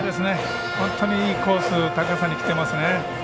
本当にいいコース、高さにきていますね。